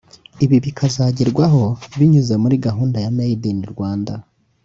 Ibi bikazagerwaho binyuze muri gahunda ya “Made in Rwanda”